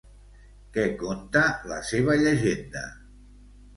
Què conta la seva llegenda?